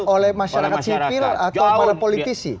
oleh masyarakat sipil atau para politisi